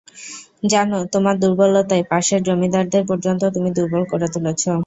জান, তোমার দুর্বলতায় পাশের জমিদারদের পর্যন্ত তুমি দুর্বল করে তুলেছ?